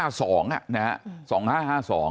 ๕๒อ่ะนะฮะ